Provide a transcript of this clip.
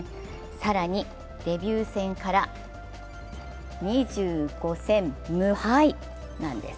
更にデビュー戦から２５戦無敗なんです。